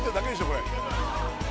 これ